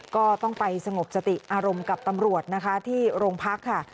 ก็ต้องไปสงบสติอารมณ์กับตำรวจนะคะที่โรงพักค่ะ